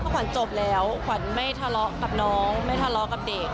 ขวัญจบแล้วขวัญไม่ทะเลาะกับน้องไม่ทะเลาะกับเด็ก